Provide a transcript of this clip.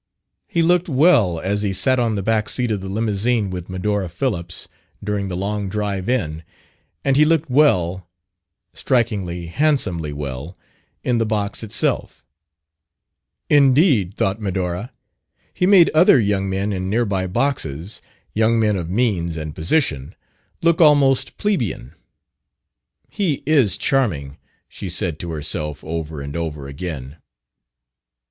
He looked well as he sat on the back seat of the limousine with Medora Phillips, during the long drive in; and he looked well strikingly, handsomely well in the box itself. Indeed, thought Medora, he made other young men in nearby boxes young men of "means" and "position" look almost plebian. "He is charming," she said to herself, over and over again.